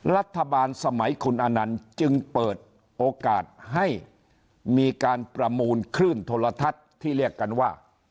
รัฐบาลสมัยคุณอนันต์จึงเปิดโอกาสให้มีการประมูลคลื่นโทรทัศน์ที่เรียกกันว่า